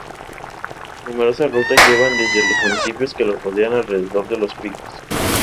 Numerosas rutas llevan desde los municipios que lo rodean alrededor de los picos.